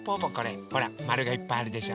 ほらまるがいっぱいあるでしょ。